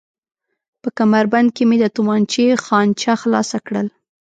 په کمربند کې مې د تومانچې خانچه خلاصه کړل.